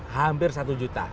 hampir satu juta